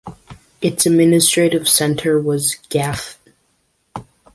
Its administrative centre was Galich.